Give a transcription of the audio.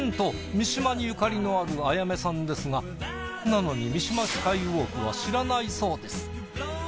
三島にゆかりのある彩芽さんですがなのに三島スカイウォークは知らないそうです。